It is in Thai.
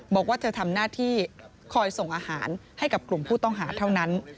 บอกว่าเธอทำหน้าที่คอยส่งอาหารให้กับกลุ่มผู้ต้องหาเท่านั้น